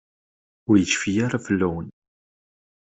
Ur yecfi ara fell-awen.